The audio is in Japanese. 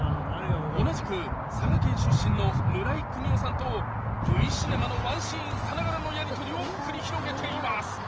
同じく佐賀県出身の村井國夫さんとＶシネマのワンシーンさながらのやりとりを繰り広げています